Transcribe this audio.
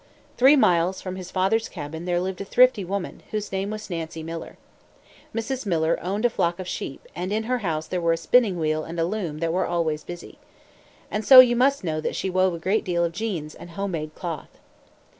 Three miles from his father's cabin there lived a thrifty woman, whose name was Nancy Miller. Mrs. Miller owned a flock of sheep, and in her house there were a spinning wheel and a loom that were always busy. And so you must know that she wove a great deal of jeans and home made cloth.